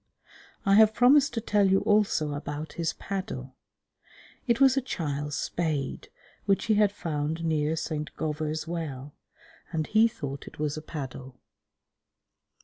I have promised to tell you also about his paddle. It was a child's spade which he had found near St. Govor's Well, and he thought it was a paddle.